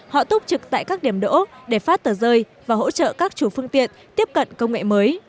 họ túc trực tại các điểm đỗ để phát tờ rơi và hỗ trợ các chủ phương tiện tiếp cận công nghệ mới